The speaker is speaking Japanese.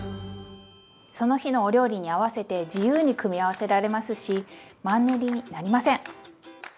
その日のお料理に合わせて自由に組み合わせられますしマンネリになりません！